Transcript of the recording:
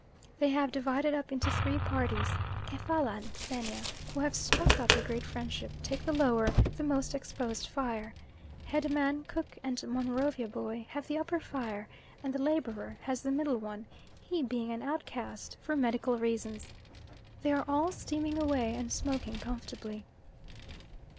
They have divided up into three parties: Kefalla and Xenia, who have struck up a great friendship, take the lower, the most exposed fire. Head man, Cook, and Monrovia Boy have the upper fire, and the labourer has the middle one he being an outcast for medical reasons. They are all steaming away and smoking comfortably.